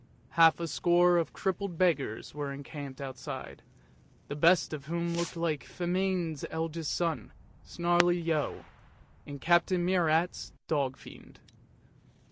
Half a score of crippled beggars were encamped outside, the best of whom looked like " Famine's " eldest son, " Snarley yow," in Captain Marryat's Dog Fiend.